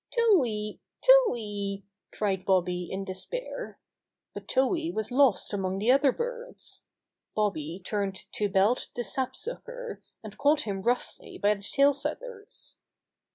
"Towhee I Towhee 1" cried Bobby in de spair. But Towhee was lost among the other birds. Bobby turned to Belt the Sapsucker, and caught him roughly by the tail feathers.